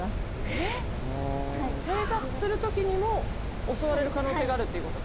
え⁉正座する時にも襲われる可能性があるっていうこと。